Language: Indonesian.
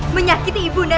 menyakiti ibu nda